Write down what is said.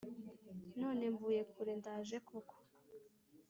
none mvuye kure ndaje koko